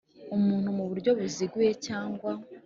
Umuntu mu buryo buziguye cyangwa